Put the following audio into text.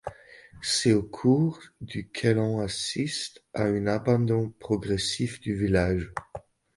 C'est au cours du que l'on assiste à un abandon progressif du village.